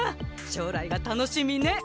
しょうらいが楽しみね。